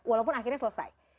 walaupun akhirnya selesai